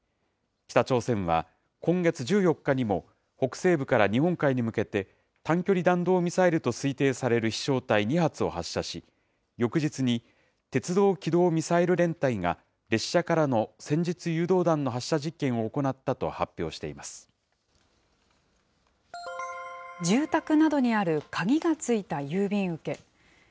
北朝鮮は、今月１４日にも北西部から日本海に向けて、短距離弾道ミサイルと推定される飛しょう体２発を発射し、翌日に鉄道機動ミサイル連隊が列車からの戦術誘導弾の発射実験を住宅などにある鍵が付いた郵便受け。